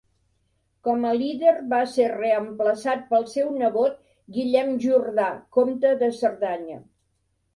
Com a líder va ser reemplaçat pel seu nebot Guillem Jordà, comte de Cerdanya.